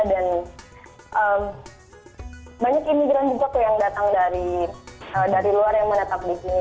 dan banyak imigran juga tuh yang datang dari luar yang menetap di sini